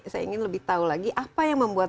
saya ingin lebih tahu lagi apa yang membuat